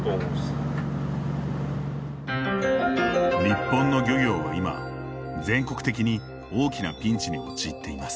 日本の漁業は今、全国的に大きなピンチに陥っています。